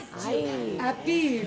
アピール。